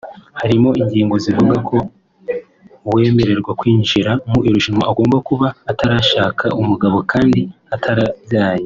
harimo ingingo zivuga ko uwemererwa kwinjira mu irushanwa agomba kuba atarashaka umugabo kandi atarabyaye